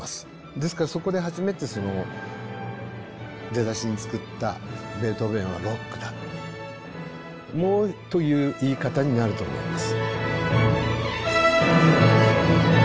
ですからそこで初めてその出だしに作った「ベートーヴェンはロックだ！」という言い方になると思います。